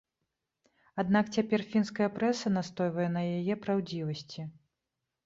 Аднак цяпер фінская прэса настойвае на яе праўдзівасці.